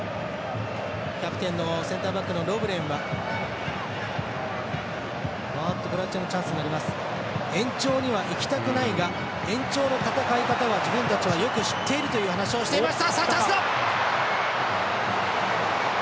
キャプテンのセンターバックのロブレンは延長にはいきたくないが延長の戦い方は自分たちはよく知っていると話をしていました。